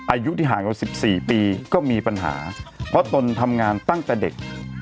อายุที่ห่างกว่า๑๔ปีก็มีปัญหาเพราะตนทำงานตั้งแต่เด็ก